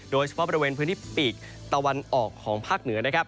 โดยเฉพาะบริเวณพื้นที่ปีกตะวันออกของภาคเหนือนะครับ